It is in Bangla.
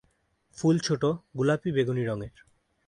ফুল ছোট, গোলাপী-বেগুনি রঙের।